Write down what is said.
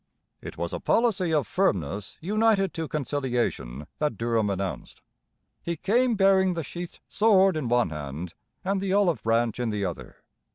It was a policy of firmness united to conciliation that Durham announced. He came bearing the sheathed sword in one hand and the olive branch in the other.